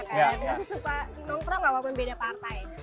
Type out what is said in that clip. suka nongkrong gak mau membeda partai